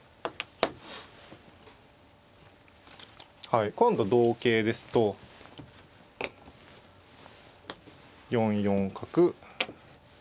はい今度同桂ですと４四角。